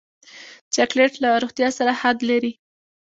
چاکلېټ له روغتیا سره حد لري.